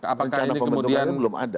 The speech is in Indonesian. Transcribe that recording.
apakah ini kemudian